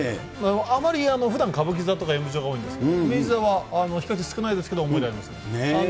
あまりふだん歌舞伎座とか演舞場が多いんですけど、明治座は比較的少ないですけど、思い出ありますね。